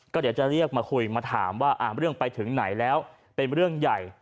ก็เดี๋ยวจะเรียกมาคุยมาถามว่าเรื่องไปถึงไหนแล้วเป็นเรื่องใหญ่